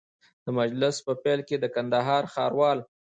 د مجلس په پیل کي د کندهار ښاروال